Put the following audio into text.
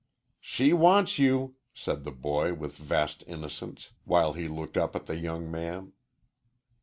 "She wants you," said the boy, with vast innocence, while he looked up at the young man.